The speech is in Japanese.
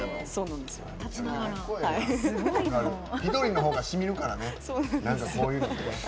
１人のほうがしみるからね。